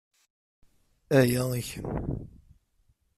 Aya i kemm.